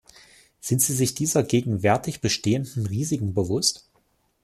Sind Sie sich dieser gegenwärtig bestehenden Risiken bewusst?